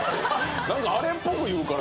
何かあれっぽく言うから。